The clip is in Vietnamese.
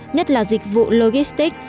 nhất là dịch vụ logistics